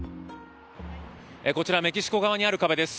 メキシコ側にある壁です。